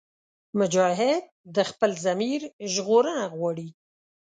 مجاهد د خپل ضمیر ژغورنه غواړي.